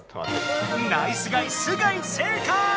ナイスガイ須貝正解！